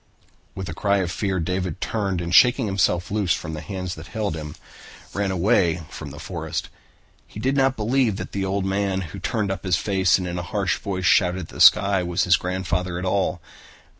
With a cry of fear, David turned and, shaking himself loose from the hands that held him, ran away through the forest. He did not believe that the man who turned up his face and in a harsh voice shouted at the sky was his grandfather at all.